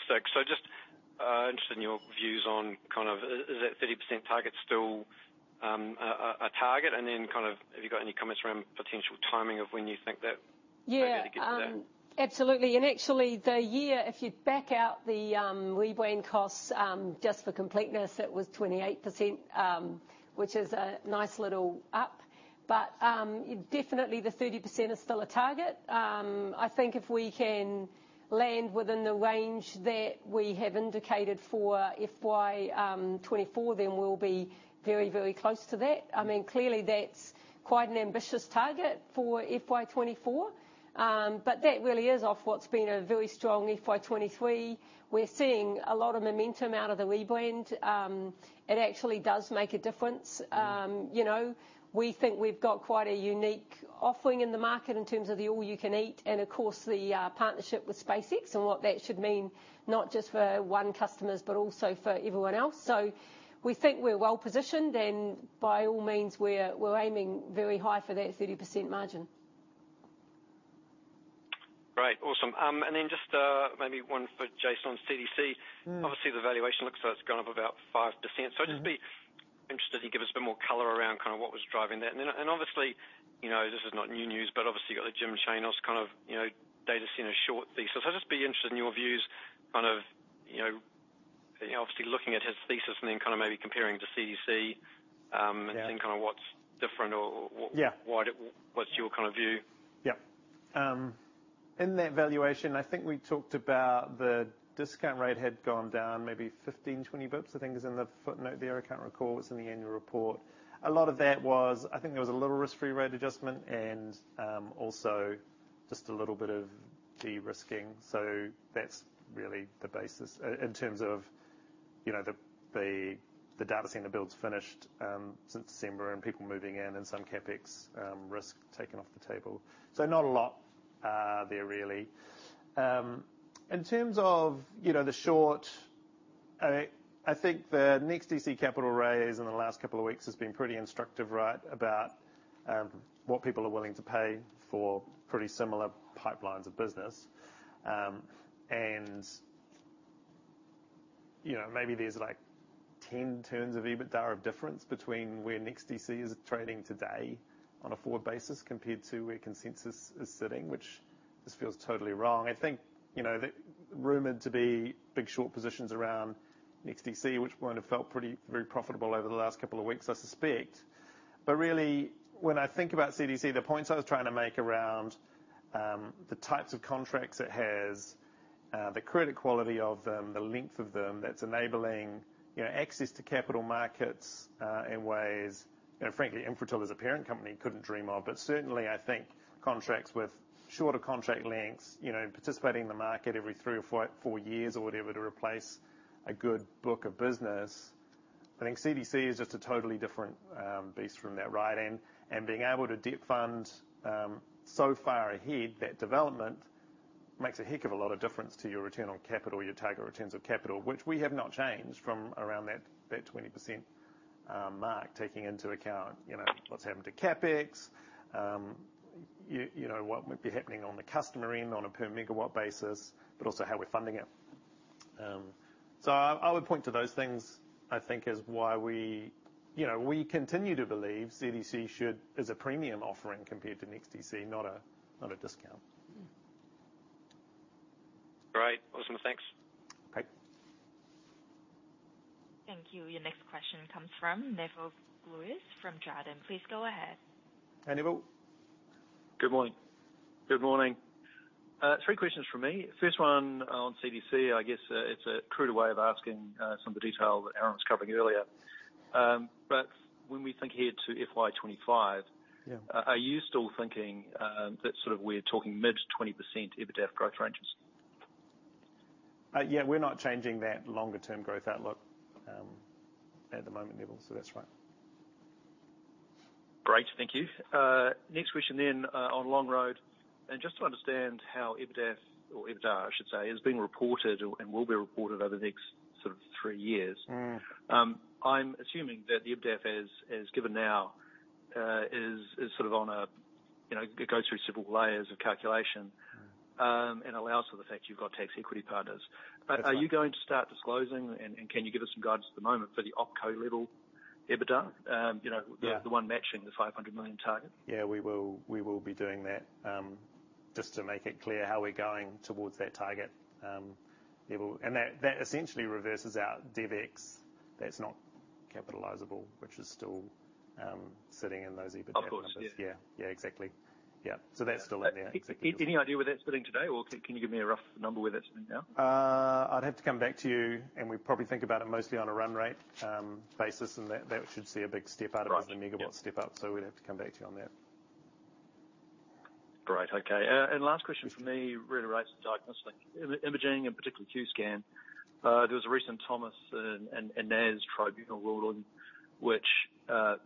Just interested in your views on kind of is that 30% target still a target? Kind of have you got any comments around potential timing of when you think. Yeah. target will get to that? Absolutely. Actually, the year, if you back out the rebreanding costs, just for completeness, it was 28%, which is a nice little up. Definitely the 30% is still a target. I think if we can land within the range that we have indicated for FY 2024, then we'll be very, very close to that. I mean, clearly that's quite an ambitious target for FY 2024. That really is off what's been a very strong FY 2023. We're seeing a lot of momentum out of the Weebewang. It actually does make a difference. you know, we think we've got quite a unique offering in the market in terms of the all you can eat and of course, the partnership with SpaceX and what that should mean, not just for One customers but also for everyone else. We think we're well positioned, and by all means we're aiming very high for that 30% margin. Great. Awesome. Then just, maybe one for Jason on CDC. Mm. Obviously, the valuation looks so it's gone up about 5%. Mm. I'd just be interested if you give us a bit more color around kinda what was driving that. Obviously, you know, this is not new news, but obviously you got the Jim Chanos kind of, you know, data center short thesis. I'd just be interested in your views, kind of, you know, obviously looking at his thesis and then kinda maybe comparing to CDC. Yeah. kinda what's different or- Yeah. What's your kinda view? Yeah. In that valuation, I think we talked about the discount rate had gone down maybe 15, 20 bips, I think is in the footnote there. I can't recall what's in the annual report. A lot of that was, I think there was a little risk-free rate adjustment and also just a little bit of de-risking. That's really the basis in terms of, you know, the data center builds finished since December and people moving in and some CapEx risk taken off the table. Not a lot there really. In terms of, you know, the short, I think the NEXTDC capital raise in the last couple of weeks has been pretty instructive, right? About what people are willing to pay for pretty similar pipelines of business. You know, maybe there's like 10 turns of EBITDA of difference between where NEXTDC is trading today on a forward basis compared to where consensus is sitting, which just feels totally wrong. I think, you know, the rumored to be big short positions around NEXTDC, which wouldn't have felt pretty, very profitable over the last couple of weeks, I suspect. Really, when I think about CDC, the points I was trying to make around the types of contracts it has, the credit quality of them, the length of them, that's enabling, you know, access to capital markets in ways, you know, frankly, Infratil as a parent company couldn't dream of. Certainly I think contracts with shorter contract lengths, you know, participating in the market every three or four years or whatever to replace a good book of business. I think CDC is just a totally different beast from that right end. Being able to debt fund so far ahead that development makes a heck of a lot of difference to your return on capital, your target returns of capital, which we have not changed from around that 20% mark, taking into account, you know, what's happened to CapEx, you know, what might be happening on the customer end on a per megawatt basis, but also how we're funding it. I would point to those things, I think is why we continue to believe CDC is a premium offering compared to NEXTDC, not a discount. Mm. Great. Awesome. Thanks. Okay. Thank you. Your next question comes from Nevill Gluyas from Jarden. Please go ahead. Hi, Nevill. Good morning. Good morning. Three questions from me. First one on CDC. I guess, it's a cruder way of asking, some of the detail that Aaron was covering earlier. When we think ahead to FY 25. Yeah. Are you still thinking that sort of we're talking mid-20% EBITDAF growth ranges? Yeah, we're not changing that longer term growth outlook at the moment, Nevill. That's right. Great. Thank you. Next question then, on Longroad. Just to understand how EBITDAF or EBITDA, I should say, is being reported or, and will be reported over the next sort of three years. Mm. I'm assuming that the EBITDAF as given now, is sort of on a, you know, it goes through several layers of calculation, and allows for the fact you've got tax equity partners. That's right. Are you going to start disclosing and can you give us some guidance at the moment for the OpCo level EBITDA? You know? Yeah. the one matching the 500 million target. Yeah, we will be doing that, just to make it clear how we're going towards that target, Nevill. That essentially reverses out CapEx that's not capitalizable, which is still sitting in those EBITDA numbers. Of course. Yeah. Yeah. Yeah, exactly. Yeah. That's still in there. Exactly. Any idea where that's sitting today? Or can you give me a rough number where that's sitting now? I'd have to come back to you, and we probably think about it mostly on a run rate basis, and that should see a big step out- Right. Yeah. -of the megawatt step up, we'd have to come back to you on that. Great. Okay. Last question for me really relates to diagnostic imaging and particularly QScan. There was a recent Thomas and Naaz tribunal ruling, which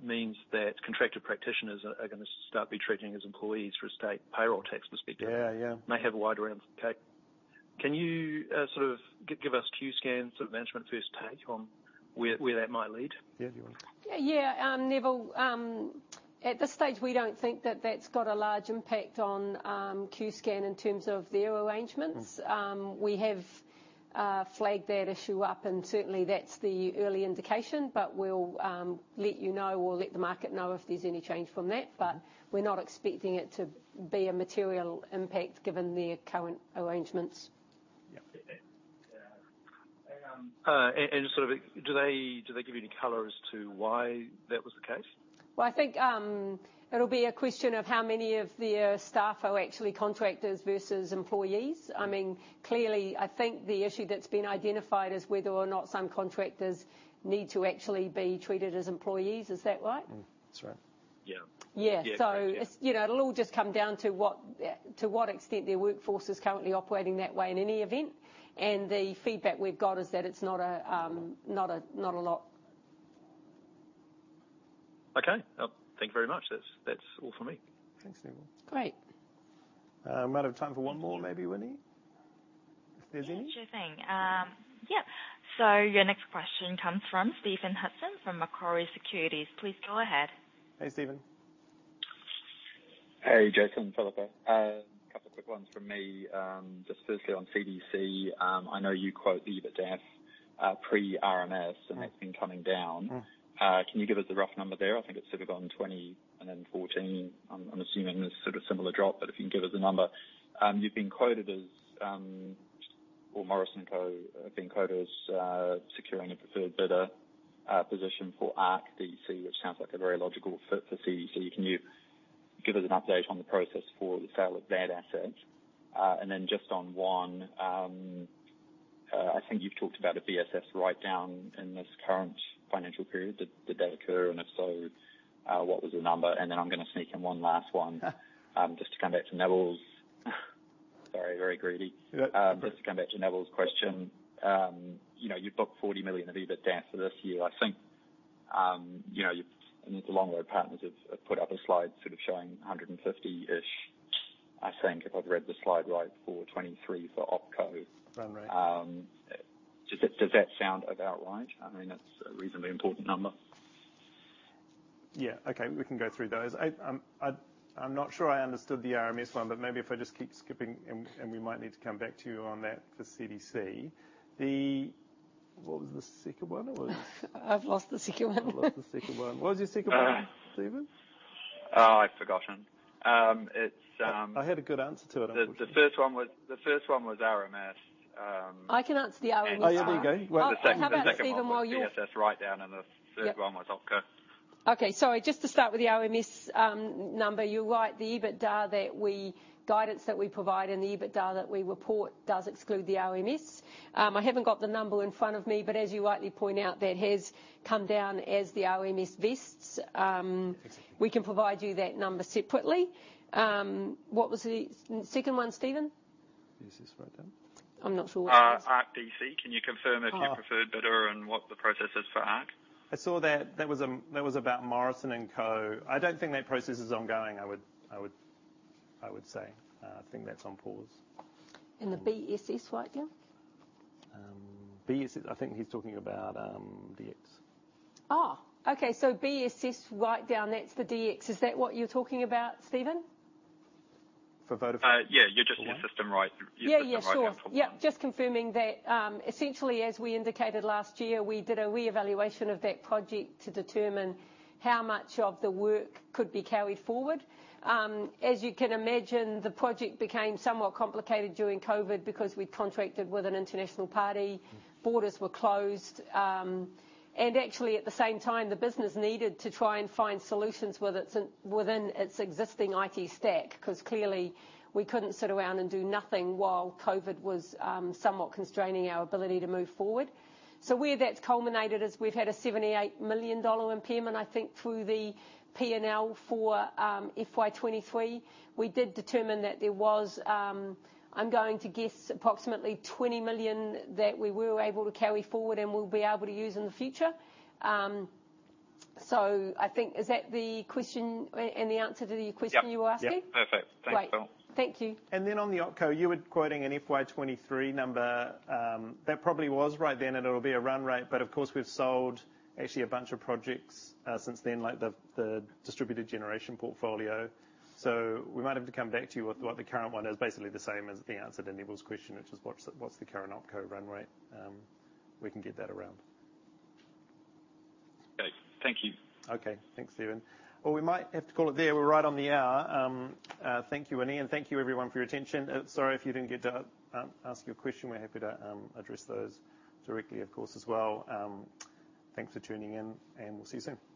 means that contracted practitioners are gonna start be treated as employees for a state payroll tax perspective. Yeah, yeah. May have a wide range impact. Can you sort of give us Qscan sort of management first take on where that might lead? Yeah. Nevill, at this stage, we don't think that that's got a large impact on Qscan in terms of their arrangements. Mm. We have flagged that issue up, and certainly, that's the early indication, but we'll let you know or let the market know if there's any change from that. We're not expecting it to be a material impact given their current arrangements. Yeah. sort of... Do they give you any color as to why that was the case? I think, it'll be a question of how many of their staff are actually contractors versus employees. Clearly, I think the issue that's been identified is whether or not some contractors need to actually be treated as employees. Is that right? That's right. Yeah. Yeah. Yeah. It's, you know, it'll all just come down to what, to what extent their workforce is currently operating that way in any event. The feedback we've got is that it's not a lot. Okay. thank you very much. That's all for me. Thanks, Neville. Great. Might have time for one more maybe, Winnie, if there's any. Yeah, sure thing. Yeah. Your next question comes from Stephen Hudson from Macquarie Securities. Please go ahead. Hey, Stephen. Hey, Jason and Phillippa. A couple quick ones from me. Just firstly on CDC, I know you quote the EBITDA, pre-RMS. Mm. That's been coming down. Mm. Can you give us the rough number there? I think it's sort of gone 20 and then 14. I'm assuming it's sort of similar drop, but if you can give us a number. You've been quoted as, or Morrison & Co. have been quoted as securing a preferred bidder position for Ark Data Centres, which sounds like a very logical fit for CDC Data Centres. Can you give us an update on the process for the sale of that asset? Just on One, I think you've talked about a BSS write-down in this current financial period. Did that occur? If so, what was the number? I'm gonna sneak in one last one. Just to come back to Neville's sorry, very greedy. That's all right. Just to come back to Nevill's question. You know, you've booked 40 million of EBITDA for this year. I think, you know, you've, I know the Longroad partners have put up a slide sort of showing 150-ish, I think, if I've read the slide right, for 2023 for OpCo. Run rate. Does that sound about right? I mean, that's a reasonably important number. Yeah. Okay. We can go through those. I'm not sure I understood the RMS one, but maybe if I just keep skipping, and we might need to come back to you on that for CDC. What was the second one? I've lost the second one. Lost the second one. What was your second one, Stephen? Oh, I've forgotten. It's I had a good answer to it, I think. The first one was RMS. I can answer the RMS part. Oh, yeah, there you go. How about, Stephen, while you-. The second one was the BSS write-down, and the third one was OpCo. Sorry, just to start with the RMS number. You're right, the EBITDA guidance that we provide and the EBITDA that we report does exclude the RMS. I haven't got the number in front of me, but as you rightly point out, that has come down as the RMS vests. We can provide you that number separately. What was the second one, Stephen? BSS write-down. I'm not sure what that is. ARK DC, can you confirm if you preferred bidder and what the process is for ARK? I saw that. That was about Morrison & Co. I don't think that process is ongoing. I would say. I think that's on pause. The BSS write-down? BSS, I think he's talking about, DX. Oh, okay. BSS write-down, that's the DX. Is that what you're talking about, Stephen? For Vodafone? yeah. You're just- Yeah. Your system write-down. Yeah, yeah, sure. on Topline. Yeah, just confirming that. Essentially as we indicated last year, we did a reevaluation of that project to determine how much of the work could be carried forward. As you can imagine, the project became somewhat complicated during COVID because we'd contracted with an international party. Mm-hmm. Borders were closed. Actually at the same time, the business needed to try and find solutions with its, within its existing IT stack, 'cause clearly we couldn't sit around and do nothing while COVID was somewhat constraining our ability to move forward. Where that's culminated is we've had a 78 million dollar impairment, I think, through the P&L for FY23. We did determine that there was, I'm going to guess, approximately 20 million that we were able to carry forward and we'll be able to use in the future. I think is that the question and the answer to the question you were asking? Yep. Yep. Perfect. Thanks. Great. Thank you. On the OpCo, you were quoting an FY23 number. That probably was right then, and it'll be a run rate. Of course, we've sold actually a bunch of projects since then, like the distributed generation portfolio. We might have to come back to you with what the current one is. Basically the same as the answer to Nevill's question, which is what's the current OpCo run rate. We can get that around. Okay. Thank you. Okay. Thanks, Stephen. Well, we might have to call it there. We're right on the hour. Thank you, Winnie, and thank you everyone for your attention. Sorry if you didn't get to ask your question. We're happy to address those directly, of course, as well. Thanks for tuning in, and we'll see you soon.